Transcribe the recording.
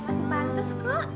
masih pantes kok